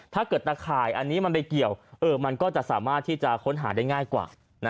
ตะข่ายอันนี้มันไปเกี่ยวมันก็จะสามารถที่จะค้นหาได้ง่ายกว่า